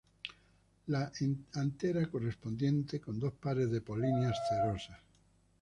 La antera correspondiente con dos pares de polinias cerosas.